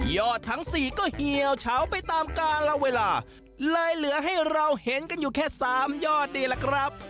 ทั้งสี่ก็เหี่ยวเฉาไปตามการละเวลาเลยเหลือให้เราเห็นกันอยู่แค่สามยอดนี่แหละครับ